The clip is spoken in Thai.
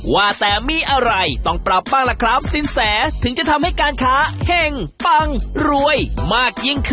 ว่าแต่มีอะไรต้องปรับบ้างล่ะครับสินแสถึงจะทำให้การค้าเห็งปังรวยมากยิ่งขึ้น